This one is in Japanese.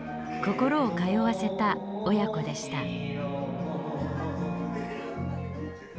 心を通わせた親子でした。